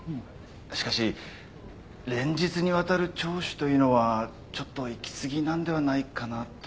しかし連日にわたる聴取というのはちょっと行き過ぎなんではないかなと。